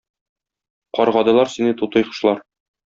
Каргадылар сине "тутый кошлар"